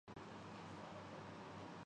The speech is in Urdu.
اور وہیں پھنسے ہیں۔